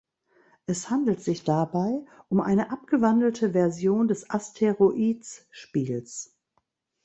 Es handelt sich dabei um eine abgewandelte Version des Asteroids-Spiels.